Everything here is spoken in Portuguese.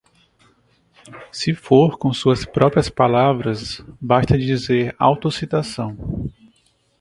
Se for com suas próprias palavras, basta dizer “Autocitação”.